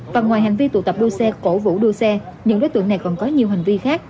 và ngoài hành vi tụ tập đua xe cổ vũ đua xe những đối tượng này còn có nhiều hành vi khác